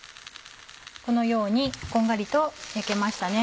このようにこんがりと焼けましたね。